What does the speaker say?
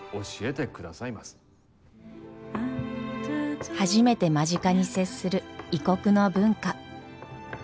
「ランタタン」初めて間近に接する異国の文化。